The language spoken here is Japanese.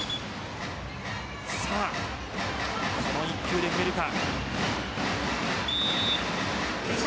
この１球で決めるか。